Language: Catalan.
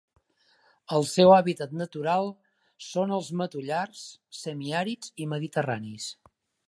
El seu hàbitat natural són els matollars semiàrids i mediterranis.